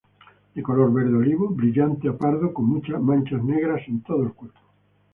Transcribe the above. De color verde olivo brillante a pardo con manchas negras en todo el cuerpo.